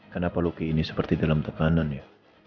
kenapa loki ini seperti dalam tekanan ya